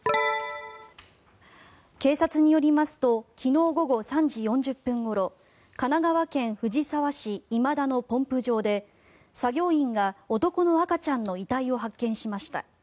警察によりますと昨日午後３時４０分ごろ神奈川県藤沢市今田のポンプ場で作業員が、男の赤ちゃんの遺体を発見しました。